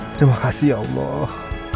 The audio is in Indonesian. terima kasih ya allah